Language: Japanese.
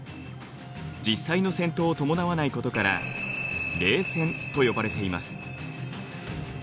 実際の戦闘を伴わないことから冷戦と呼ばれています。